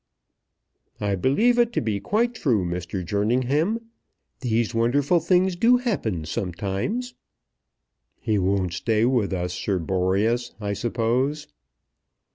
"I believe it to be quite true, Mr. Jerningham. These wonderful things do happen sometimes." "He won't stay with us, Sir Boreas, I suppose?"